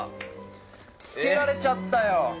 つけられちゃったよ！